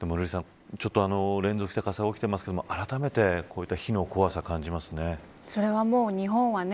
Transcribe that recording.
瑠麗さん連続して火災が起きてますがあらためてこういった火の怖さ感じますね。